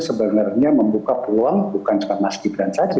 sebenarnya membuka peluang bukan cuma mas gibran saja